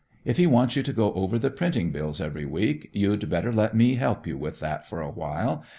If he wants you to go over the printing bills every week, you'd better let me help you with that for a while.